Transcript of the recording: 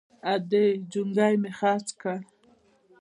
_ادې! جونګی مې خرڅ کړ!